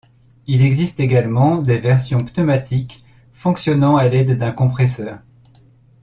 Il existe également des versions pneumatiques fonctionnant à l'aide d'un compresseur.